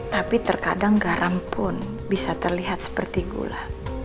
tapi terkadang garam pun bisa terlihat seperti gula